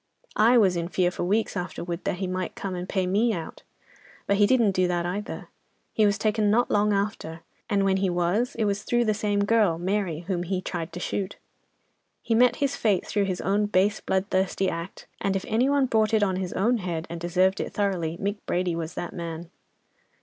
"'I was in fear for weeks afterwards that he might come and pay me out. But he didn't do that either. He was taken not long after, and when he was, it was through that same girl, Mary, whom he tried to shoot. He met his fate through his own base bloodthirsty act, and if any one brought it on his own head, and deserved it thoroughly, Mick Brady was that man.